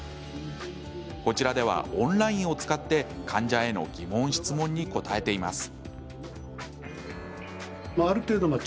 こちらではオンラインを使って患者への疑問、質問に答えています。